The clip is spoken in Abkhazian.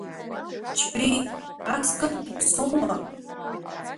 Џьбеит, ас кыр иаԥсоума!